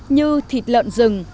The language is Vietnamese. như thịt lợn rừng thịt lợn rừng